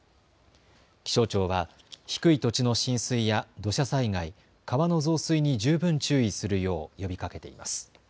気象庁は低い土地の浸水や土砂災害、川の増水に十分注意するよう呼びかけています。